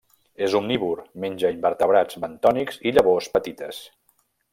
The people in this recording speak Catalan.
És omnívor: menja invertebrats bentònics i llavors petites.